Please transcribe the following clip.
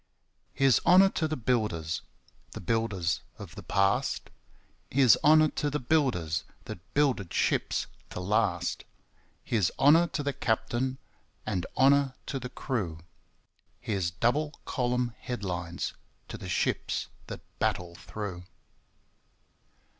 Here's honour to the builders – The builders of the past; Here's honour to the builders That builded ships to last; Here's honour to the captain, And honour to the crew; Here's double column headlines To the ships that battle through.